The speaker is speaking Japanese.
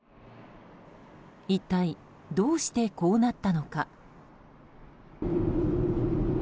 一体どうしてこうなったのか。